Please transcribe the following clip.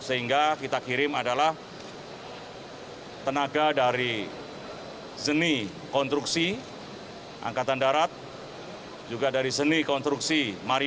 sehingga kita kirim adalah tenaga dari seni konstruksi angkatan darat juga dari seni konstruksi